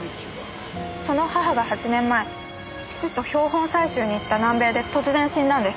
その母が８年前父と標本採集に行った南米で突然死んだんです。